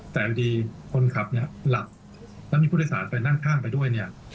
แต่อีกดีคนขับหลับแล้วมีผู้โดยสารนั่งข้างไปด้วย